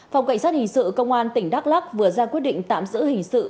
phòng cảnh sát hình sự công an tỉnh đắk lắc vừa ra quyết định tạm giữ hình sự